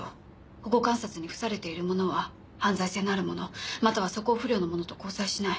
保護観察に付されている者は犯罪性のある者または素行不良の者と交際しない。